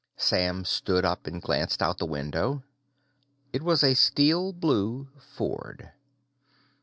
Sam stood up and glanced out the window. It was a steel blue Ford.